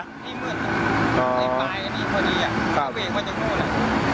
คุณพ่อในที่มืดนี่ปลายเขามาจากนั้น